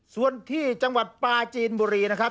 ส่วนที่จังหวัดปลาจีนบุรีนะครับ